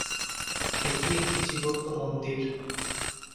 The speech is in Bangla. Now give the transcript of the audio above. এটি একটি জীবন্ত মন্দির।